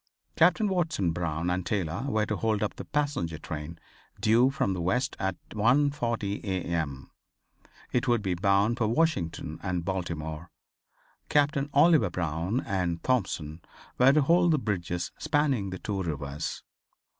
Captain Watson Brown and Taylor were to hold up the passenger train due from the west at 1:40 A. M. It would be bound for Washington and Baltimore. Captain Oliver Brown and Thompson were to hold the bridges spanning the two rivers.